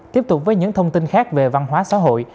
tiếp tục với những thông tin khác về văn hóa xã hội